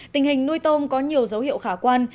tình hình nuôi tôm có nhiều dấu hiệu khả quan